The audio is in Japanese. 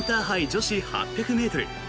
女子８００ｍ。